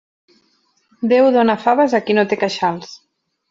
Déu dóna faves a qui no té queixals.